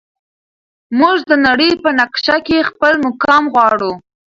موږ د نړۍ په نقشه کې خپل مقام غواړو.